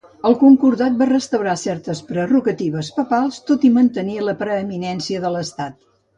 El concordat va restaurar certes prerrogatives papals, tot i mantenir la preeminència de l'estat.